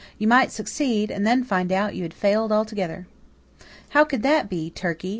"You might succeed, and then find out you had failed altogether." "How could that be, Turkey?"